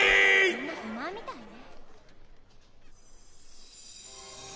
みんな不満みたいね